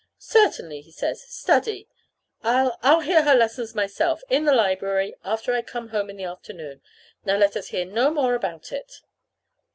"Certainly," he says, "study. I I'll hear her lessons myself in the library, after I come home in the afternoon. Now let us hear no more about it."